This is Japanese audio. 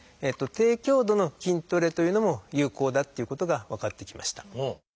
低強度の筋トレというのも有効だっていうことが分かってきました。